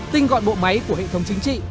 tinh gọn bộ máy của hệ thống chính trị